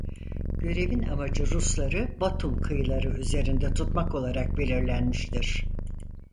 Görevin amacı Rusları Batum kıyıları üzerinde tutmak olarak belirlenmiştir.